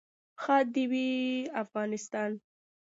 ښاد دې وي افغانستان.